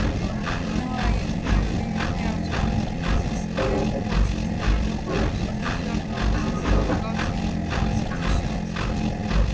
另外，研究法有利于培养学生的批判性思维。通过实际的研究活动，学生需要评估信息的可靠性、合理性和适用性，推动他们思考问题的多面性和复杂性，培养了他们的批判性思维和分析能力。